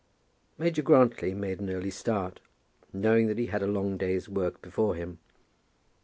Major Grantly made an early start, knowing that he had a long day's work before him.